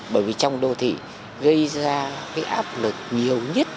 bởi vì trong đô thị gây ra cái áp lực nhiều nhất